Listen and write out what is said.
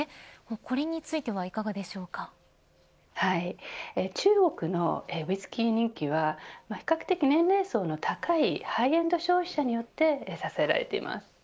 これについては中国のウイスキー人気は比較的年齢層の高いハイエンド消費者によって支えられています。